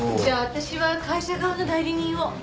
じゃあ私は会社側の代理人を。